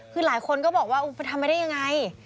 คือหลายคนก็บอกว่าไปทำไปได้ยังไง